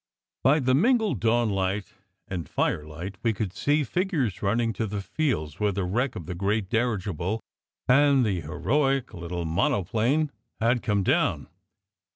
By the mingled dawnlight and firelight we could see figures running to the fields where the wreck of the great dirigible and the heroic little monoplane had come down.